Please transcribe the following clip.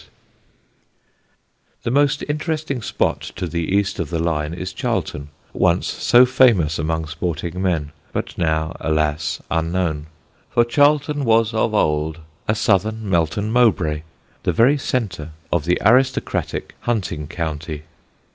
[Sidenote: THE CHARLTON HUNT] The most interesting spot to the east of the line is Charlton, once so famous among sporting men, but now, alas, unknown. For Charlton was of old a southern Melton Mowbray, the very centre of the aristocratic hunting county.